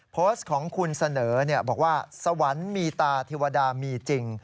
โพสต์ของคุณเสนอบอกว่าสวรรค์มีตาเทวดามีจริง